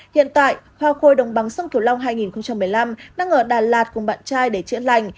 hiện tại hoa khôi đồng bằng sông kiều long hai nghìn một mươi năm đang ở đà lạt cùng bạn trai để chữa lành